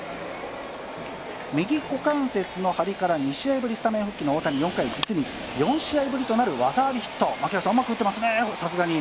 右股関節の張りから２試合ぶりスタメン復帰の大谷、４回、実に４試合ぶりとなる技ありヒット、さすがにうまく打ってますね。